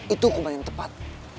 itu hukuman yang tepat